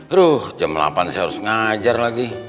aduh jam delapan saya harus ngajar lagi